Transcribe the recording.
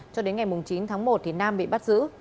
cho đến ngày chín tháng một thì nam bị bắt giữ